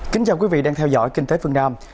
kính chào quý vị đang theo dõi kinh tế phương nam